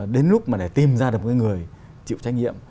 đến lúc mà để tìm ra được một người chịu trách nhiệm